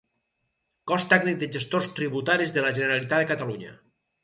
Cos tècnic de gestors tributaris de la Generalitat de Catalunya.